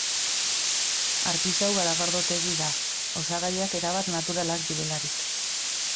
Artisau garagardotegi da, osagaiak erabat naturalak direlarik.